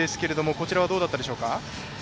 こちらはどうだったでしょうか？